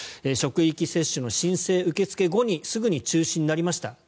職域接種の申請受け付け後にすぐに中止になりました。